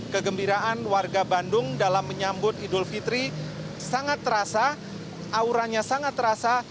kegembiraan warga bandung dalam menyambut idul fitri sangat terasa auranya sangat terasa